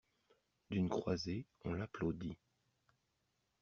D'une croisée, on l'applaudit.